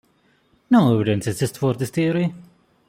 No evidence exists for this theory.